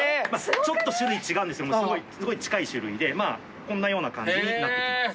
ちょっと種類違うんですよでもすごい近い種類でこんなような感じになってきます。